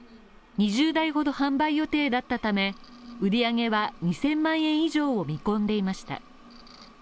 ２０台ほど販売予定だったため、売り上げは２０００万円以上を見込んでいました。